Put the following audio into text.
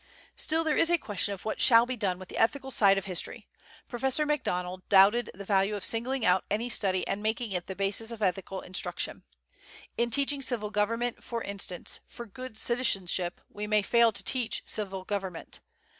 Still, there is a question of what shall be done with the ethical side of history. Professor MacDonald doubted the value of singling out any study and making it the basis of ethical instruction. In teaching civil government, for instance, for "good citizenship," we may fail to teach civil government.